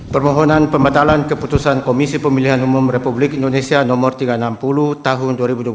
permohonan pembatalan keputusan komisi pemilihan umum republik indonesia nomor tiga ratus enam puluh tahun dua ribu dua puluh tiga